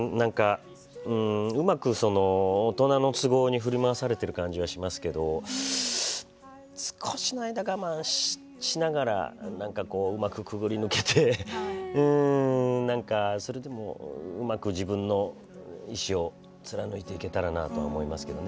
うまく大人の都合に振り回されてる感じがしますけど少しの間、我慢しながらうまく、くぐり抜けてそれでもうまく自分の意思を貫いていけたらなと思いますけど。